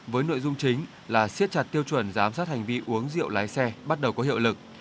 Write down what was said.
với nội dung chính là siết chặt tiêu chuẩn giám sát hành vi uống rượu lái xe bắt đầu có hiệu lực